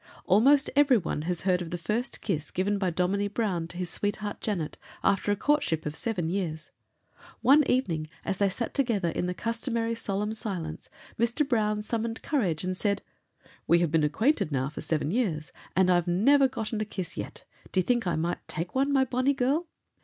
Almost every one has heard of the first kiss given by Dominie Brown to his sweetheart Janet, after a courtship of seven years. One evening, as they sat together in the customary solemn silence, Mr. Brown summoned courage and said: "We have been acquainted now for seven years, and I've ne'er gotten a kiss yet. D'ye think I might tak' wan, my bonnie girl?"